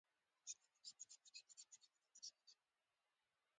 لکه چې هغې غوښتل د خپلې ژړا مخه ونيسي.